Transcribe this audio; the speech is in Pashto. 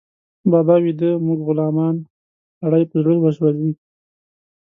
بابا ويده، موږ غلامان، سړی په زړه وسوځي